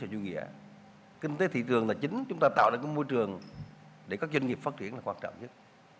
để các doanh nghiệp phát triển là quan trọng nhất